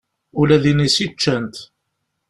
Ula d inisi ččan-t.